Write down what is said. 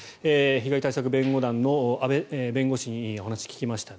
被害対策弁護団の阿部弁護士に聞きました。